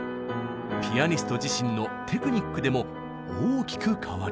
ピアニスト自身のテクニックでも大きく変わります。